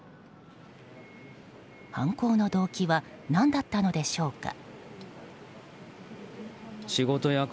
犯行の動機は何だったのでしょうか。